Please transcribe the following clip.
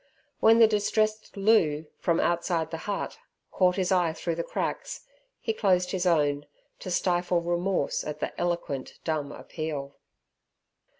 When the distressed Loo, from outside the hut, caught his eye through the cracks, he closed his own, to stifle remorse at the eloquent dumb appeal.